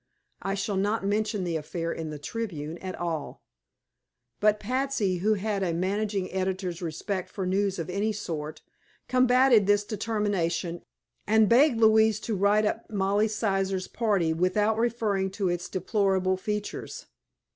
I shall not mention the affair in the Tribune at all." But Patsy, who had a managing editor's respect for news of any sort, combatted this determination and begged Louise to write up Molly Sizer's party without referring to its deplorable features.